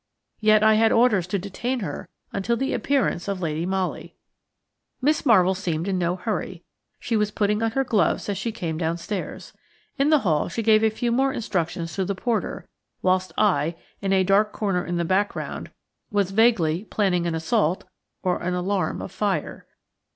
Yet I had orders to detain her until the appearance of Lady Molly. Miss Marvell seemed in no hurry. She was putting on her gloves as she came downstairs. In the hall she gave a few more instructions to the porter, whilst I, in a dark corner in the background, was vaguely planning an assault or an alarm of fire.